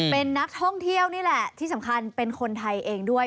เป็นนักท่องเที่ยวนี่แหละที่สำคัญเป็นคนไทยเองด้วย